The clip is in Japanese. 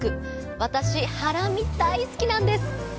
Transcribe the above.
私、ハラミ大好きなんです。